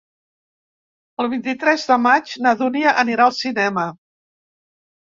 El vint-i-tres de maig na Dúnia anirà al cinema.